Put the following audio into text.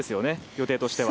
予定としては。